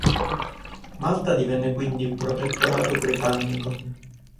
Malta divenne quindi un protettorato britannico.